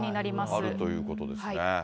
あるということですね。